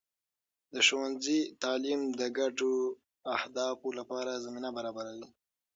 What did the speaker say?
د ښوونځي تعلیم د ګډو اهدافو لپاره زمینه برابروي.